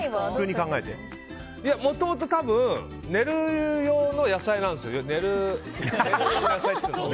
もともと寝る用の野菜なんですよ。